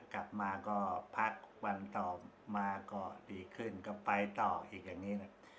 กลับมาก็พักวันต่อมาก็ดีขึ้นก็ไปต่ออีกอย่างนี้นะครับ